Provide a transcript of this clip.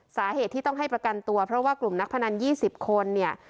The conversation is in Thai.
สาเหตุที่ต้องให้ประกันตัวเพราะว่ากลุ่มนักพนัน๒๐คนเนี่ย